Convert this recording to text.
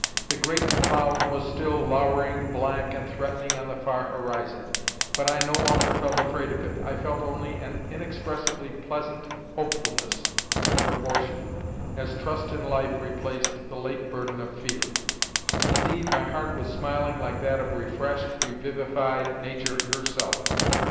The great cloud was still louring black and threatening on the far horizon, but I no longer felt afraid of it—I felt only an inexpressibly pleasant hopefulness in proportion, as trust in life replaced the late burden of fear. Indeed, my heart was smiling like that of refreshed, revivified Nature herself.